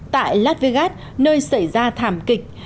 tại las vegas nơi xảy ra thảm kịch